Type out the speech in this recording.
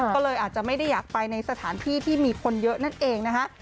ก็เลยอาจจะไม่ได้อยากไปในสถานที่ที่มีคนเยอะนั่นเองนะคะ